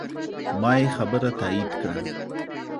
ما یې خبره تایید کړه.